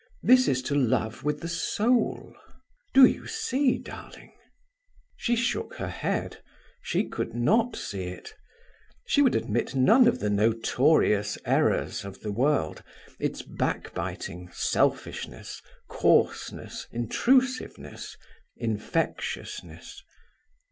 This is to love with the soul. Do you see, darling? She shook her head; she could not see it. She would admit none of the notorious errors, of the world; its backbiting, selfishness, coarseness, intrusiveness, infectiousness.